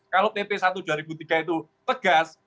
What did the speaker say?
kalau pp satu dua ribu tiga itu tegas